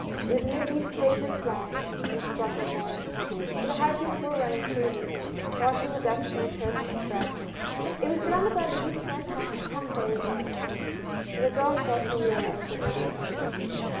It was amid these fragrant flowers and ' these sparkling waters — for the hydrants were running freely — washing the dust from the turf and shrubs. It was surrounded by these fantastic caf^s and restau rants that the girl felt that her real life would now begin.